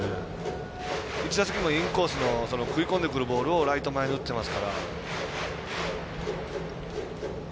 １打席目もインコースの食い込んでくるボールをライト前に打ってますから。